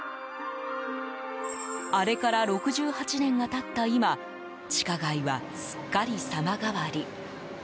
あれから６８年が経った今地下街は、すっかり様変わり。